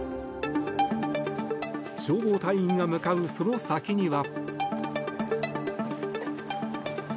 消防隊員が向かうその先には。